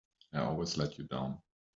I'll always let you down!